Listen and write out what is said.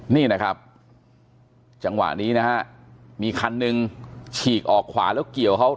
นี่นะครับจังหวะนี้นะฮะมีคันหนึ่งฉีกออกขวาแล้วเกี่ยวเขา